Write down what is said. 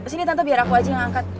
sini tante biar aku aja yang angkat